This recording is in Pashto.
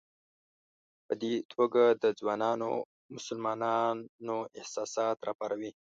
په دې توګه د ځوانو مسلمانانو احساسات راپاروي.